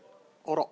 あら。